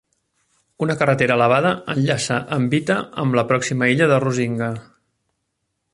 Una carretera elevada enllaça Mbita amb la pròxima illa de Rusinga.